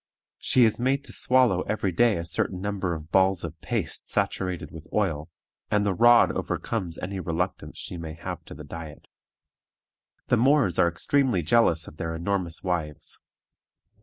She is made to swallow every day a certain number of balls of paste saturated with oil, and the rod overcomes any reluctance she may have to the diet. The Moors are extremely jealous of their enormous wives.